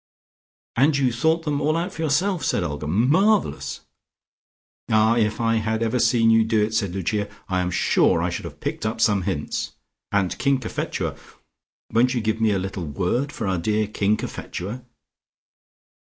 "And you thought them all out for yourself?" said Olga. "Marvellous!" "Ah, if I had ever seen you do it," said Lucia, "I am sure I should have picked up some hints! And King Cophetua! Won't you give me a little word for our dear King Cophetua?